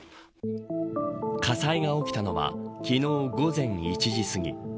火災が起きたのは昨日、午前１時すぎ